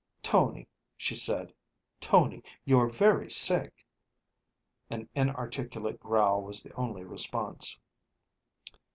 "Tony," she said, "Tony, you are very sick." An inarticulate growl was the only response.